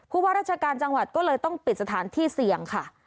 ว่าราชการจังหวัดก็เลยต้องปิดสถานที่เสี่ยงค่ะ